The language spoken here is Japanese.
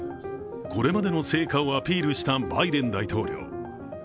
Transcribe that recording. これまでの成果をアピールしたバイデン大統領。